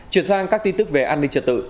chuyển sang các tin tức về an ninh trật tự